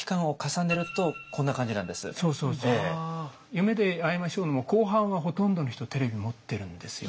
「夢であいましょう」の後半はほとんどの人テレビ持ってるんですよ。